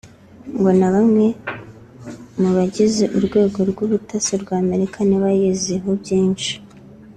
ngo na bamwe mu bagize urwego rw’ubutasi rwa Amerika ntibayiziho byinshi